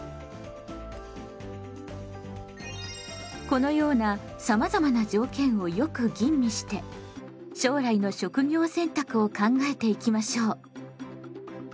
このようなさまざまな条件をよく吟味して将来の職業選択を考えていきましょう。